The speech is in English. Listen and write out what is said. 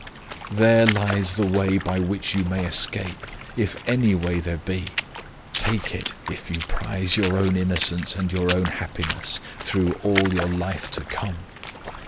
"There lies the way by which you may escape if any way there be. Take it, if you prize your own innocence and your own happiness, through all your life to come!